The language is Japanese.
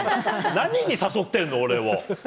何に誘ってんの、俺を。